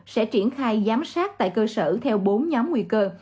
sẽ triển khai giám sát tại cơ sở theo bốn nhóm nguy cơ